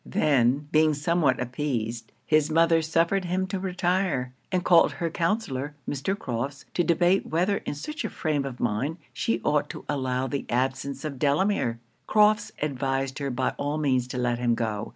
Then, being somewhat appeased, his mother suffered him to retire; and called her counsellor, Mr. Crofts, to debate whether in such a frame of mind she ought to allow the absence of Delamere? Crofts advised her by all means to let him go.